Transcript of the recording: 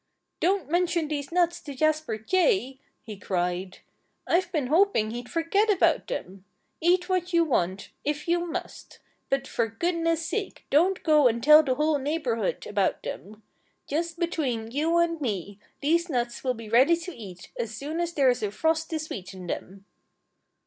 "Don't mention these nuts to Jasper Jay!" he cried. "I've been hoping he'd forget about them. Eat what you want—if you must. But for goodness' sake don't go and tell the whole neighborhood about them. Just between you and me, these nuts will be ready to eat as soon as there's a frost to sweeten them."